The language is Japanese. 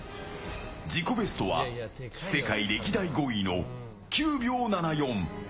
自己ベストは世界歴代５位の９秒７４。